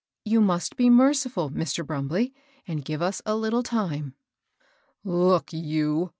You must be merciftd, Mr. Brumbley, and give us a little time." " Look you